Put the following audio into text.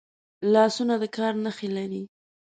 لاسونه د کار نښې لري